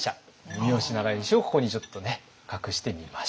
三好長慶をここにちょっとね隠してみました。